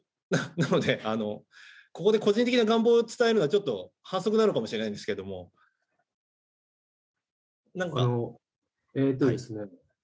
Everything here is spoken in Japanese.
なので、ここで個人的な願望を伝えるのは反則なのかもしれないんですけどええとですね